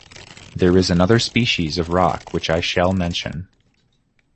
There is another species of rock which I shall mention.